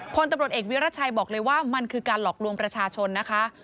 พลตำรวจเอกวิรัชัยบอกเลยว่ามันคือการหลอกลวงประชาชนนะคะ